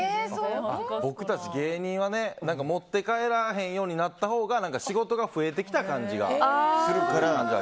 僕たち芸人は持って帰らへんようになったほうが仕事が増えてきた感じがするから。